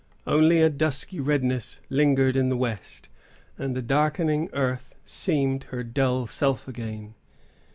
Only a dusky redness lingered in the west, and the darkening earth seemed her dull self again.